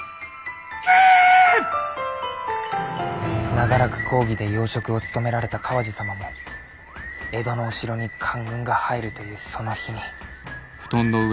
長らく公儀で要職を務められた川路様も江戸の御城に官軍が入るというその日に。